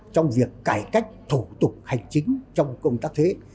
trong việc cải cách thủ tục hành chính trong công tác thuế